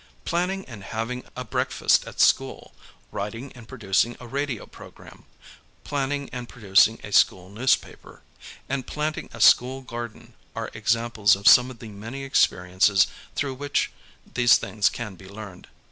Planning and having a breakfast at school, writing and producing a radio program, planning and producing a school newspaper, and planting a school garden are examples of some of the many experiences through which these things can be learned.